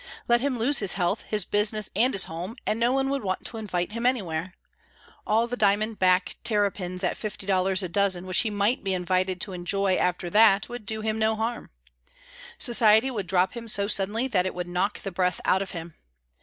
Let him lose his health, his business, and his home, and no one would want to invite him anywhere. All the diamond backed terrapins at fifty dollars a dozen which he might be invited to enjoy after that would do him no harm. Society would drop him so suddenly that it would knock the breath out of him.